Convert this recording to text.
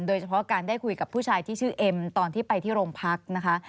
โดยเฉพาะการได้คุยกับผู้ชายที่ชื่อเอ็มตอนที่ไปที่โรงพักนะคะ